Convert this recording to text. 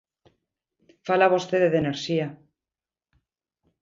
Fala vostede de enerxía.